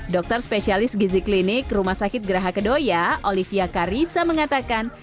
dokter spesialis gizi klinik rumah sakit geraha kedoya olivia karisa mengatakan